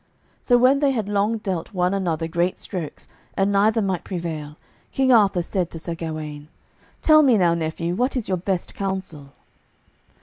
So when they had long dealt one another great strokes and neither might prevail, King Arthur said to Sir Gawaine, "Tell me now, nephew, what is your best counsel?"